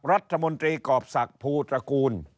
รัฐมนตรีกอบสักพูตระกูล